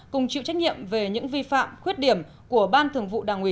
cùng chịu trách nhiệm về những vi phạm khuyết điểm của ban thường vụ đảng ủy